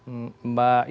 saya sedikit mau bahasnya